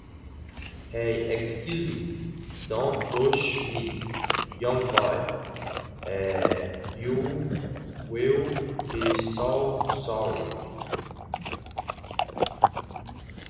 Hey, excuse me! Don't push me, young boy, you'll be so sorry.